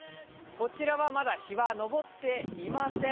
こちらはまだ日は昇っていません。